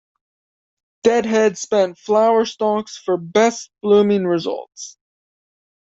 Deadhead spent flower stalks for best blooming results.